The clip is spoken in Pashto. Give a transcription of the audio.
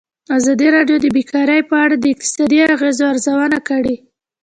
ازادي راډیو د بیکاري په اړه د اقتصادي اغېزو ارزونه کړې.